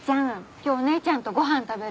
今日お姉ちゃんとご飯食べる？